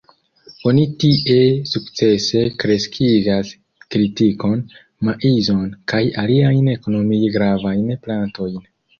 Oni tie sukcese kreskigas tritikon, maizon kaj aliajn ekonomie gravajn plantojn.